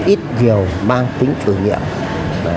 ít nhiều mang tính thử nghiệm